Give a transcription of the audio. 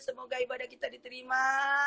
semoga ibadah kita diterima